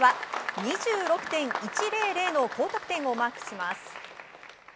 ２６．１００の高得点をマークします。